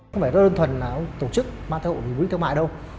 không phải đơn thuần là tổ chức mang thai hộ vì mục đích thương mại đâu